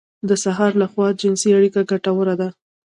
د سهار لخوا جنسي اړيکه ګټوره ده.